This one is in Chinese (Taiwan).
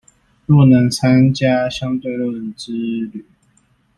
若能參加相對論之旅